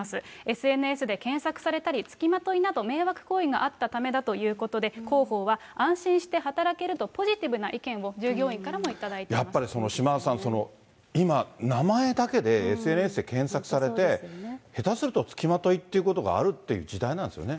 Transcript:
ＳＮＳで検索されたり、つきまといなど迷惑行為があったためだということで、広報は、安心して働けるとポジティブな意見を従業員からもいただいていまやっぱりその島田さん、今名前だけでＳＮＳで検索されて、下手すると、付きまといということがあるっていう時代なんですよね。